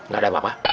gak ada apa apa